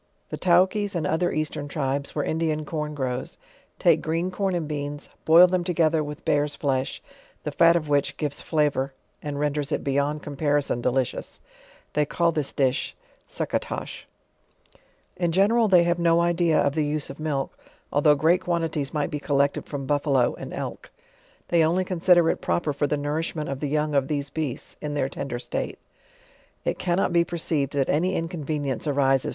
The Taukies and other Eastern tribes, where Indian corn grows, take green corn and beans, boil them together with bear's flesh, the fat of which gives flavor and renders it beyond comparison delicious; they call this dish fe'ucca tosli. In gensral they have no idea of the use of milk, although great quantities might be collected from buffalo and elk. They only consider it proper for the nourishment of tho young of these beasts, in their tender state. It cannot be perceived that any inconvenience arises